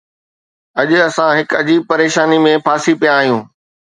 اڄ اسان هڪ عجيب پريشانيءَ ۾ ڦاسي پيا آهيون.